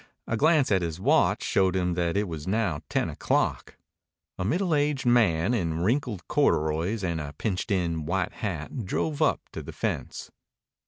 A glance at his watch showed him that it was now ten o'clock. A middle aged man in wrinkled corduroys and a pinched in white hat drove up to the fence.